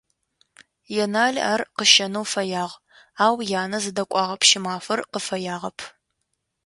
Енал ар къыщэнэу фэягъ, ау янэ зыдэкӏуагъэ Пщымафэр къыфэягъэп.